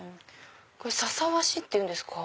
ささ和紙っていうんですか？